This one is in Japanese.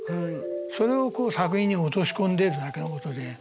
それを作品に落とし込んでるだけのことで。